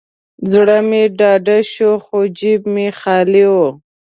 زړه مې ډاډه شو، خو جیب مې خالي و.